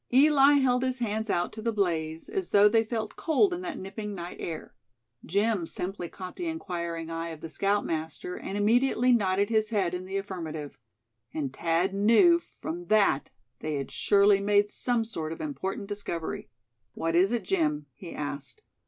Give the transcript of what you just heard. Eli held his hands out to the blaze, as though they felt cold in that nipping night air. Jim simply caught the inquiring eye of the scoutmaster, and immediately nodded his head in the affirmative. And Thad knew from that they had surely made some sort of important discovery. "What is it, Jim?" he asked.